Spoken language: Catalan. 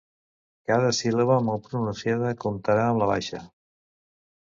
Cada síl·laba mal pronunciada comptarà a la baixa.